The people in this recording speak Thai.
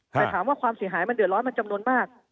แต่ถามว่าความเสียหายมันเดือดร้อนมันจำนวนมาก